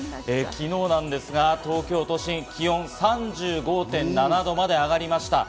昨日なんですが、東京都心、気温３５．７度まで上がりました。